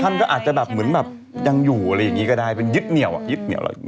ท่านก็อาจจะแบบยังอยู่อะไรอย่างเงี้ยก็ได้เป็นยึดเหนี่ยวอะไรดี